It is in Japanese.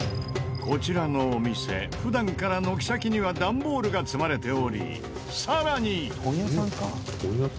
こちらのお店普段から軒先にはダンボールが積まれておりさらに。